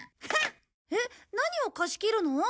えっ何を貸し切るの？